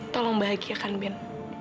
tolong bahagiakan ben